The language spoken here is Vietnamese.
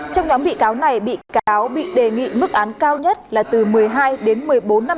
trong nhóm bị cáo này bị cáo bị đề nghị mức án cao nhất là từ một mươi hai đến một mươi bốn năm